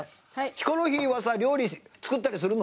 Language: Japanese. ヒコロヒーは料理作ったりするの？